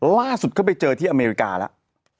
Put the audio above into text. เข้าไปเจอที่อเมริกาแล้ว